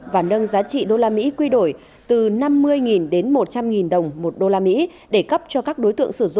và nâng giá trị usd quy đổi từ năm mươi đến một trăm linh usd